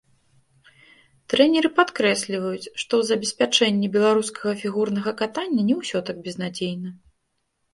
Трэнеры падкрэсліваюць, што ў забеспячэнні беларускага фігурнага катання не ўсё так безнадзейна.